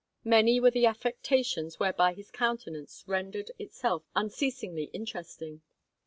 Many were the affectations whereby his countenance rendered itself unceasingly interesting.